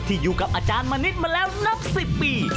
ที่อยู่กับอาจารย์มนิตมาแล้วนับ๑๐ปี